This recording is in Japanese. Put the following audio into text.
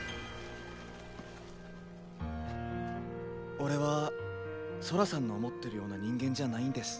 俺はソラさんの思ってるような人間じゃないんです。